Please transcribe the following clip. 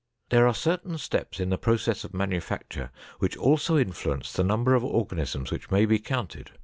There are certain steps in the process of manufacture which also influence the number of organisms which may be counted.